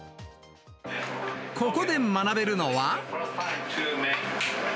ここで学べるのは。